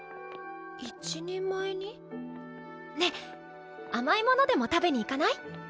ねえ甘いものでも食べに行かない？